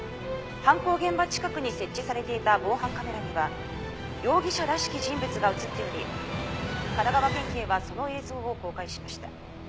犯行現場近くに設置されていた防犯カメラには容疑者らしき人物が映っており神奈川県警はその映像を公開しました。